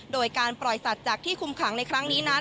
โดยการปล่อยสัตว์จากที่คุมขังในครั้งนี้นั้น